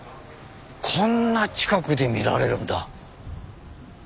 こんな近くで見られるんだ。